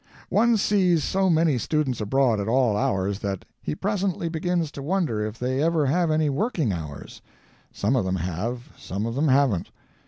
One sees so many students abroad at all hours, that he presently begins to wonder if they ever have any working hours. Some of them have, some of them haven't.